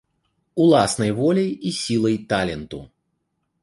Уласнай воляй і сілай таленту.